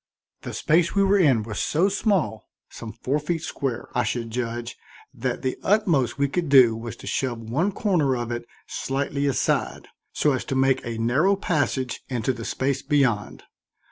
The space we were in was so small, some four feet square, I should judge, that the utmost we could do was to shove one corner of it slightly aside, so as to make a narrow passage into the space beyond.